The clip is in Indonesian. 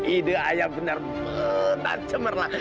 ide ayah benar benar cemerlang